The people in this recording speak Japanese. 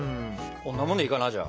こんなもんでいいかなじゃあ。